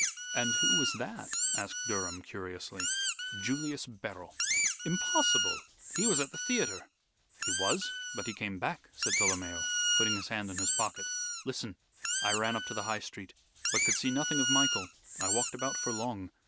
"And who was that?" asked Durham, curiously. "Julius Beryl." "Impossible! He was at the theatre." "He was; but he came back," said Tolomeo, putting his hand in his pocket. "Listen. I ran up to the High Street, but could see nothing of Michael. I walked about for long.